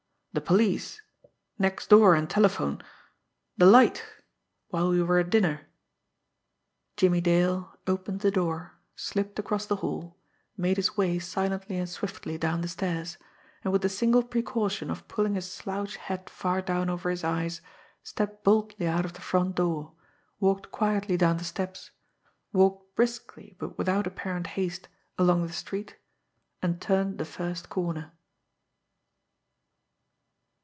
The police ... next door and telephone ... the light ... while we were at dinner...." Jimmie Dale opened the door, slipped across the hall, made his way silently and swiftly down the stairs, and with the single precaution of pulling his slouch hat far down over his eyes, stepped boldly out of the front door, walked quietly down the steps, walked briskly, but without apparent haste, along the street and turned the first corner.